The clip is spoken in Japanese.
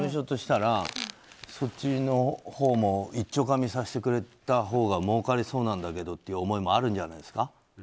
でも事務所としたらそっちのほうもいっちょかみさせてくれたほうが儲かりそうなんだけどという思いもあるんじゃないですか。